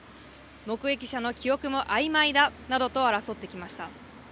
目撃者の記憶もあいまいだなどと争ってきました。